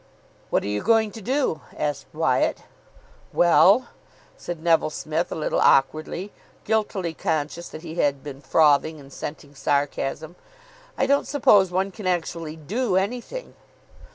"What are you going to do?" asked Wyatt. "Well," said Neville Smith a little awkwardly, guiltily conscious that he had been frothing, and scenting sarcasm, "I don't suppose one can actually do anything."